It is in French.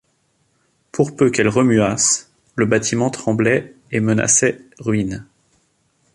Pour peu qu’elles remuassent, le bâtiment tremblait et menaçait ruine.